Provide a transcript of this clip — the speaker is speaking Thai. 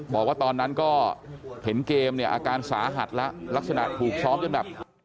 บอกว่าตอนนั้นก็เห็นเกมเนี่ยอาการสาหัสแล้วลักษณะถูกซ้อมจนแบบ